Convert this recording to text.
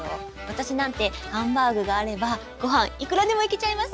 私なんてハンバーグがあればご飯いくらでもいけちゃいます。